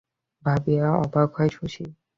ভাবিয়া অবাক হয় শশী।